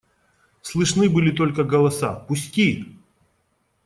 Слышны были только голоса: – Пусти!